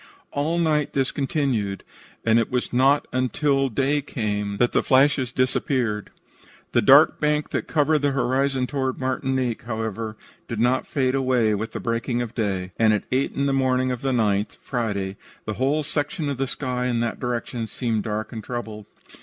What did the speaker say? All night this continued, and it was not until day came that the flashes disappeared. The dark bank that covered the horizon toward Martinique, however, did not fade away with the breaking of day, and at eight in the morning of the 9th (Friday) the whole section of the sky in that direction seemed dark and troubled.